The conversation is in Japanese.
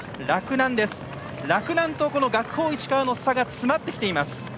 洛南との学法石川の差が詰まってきています。